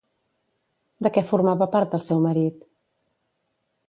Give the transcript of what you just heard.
De què formava part el seu marit?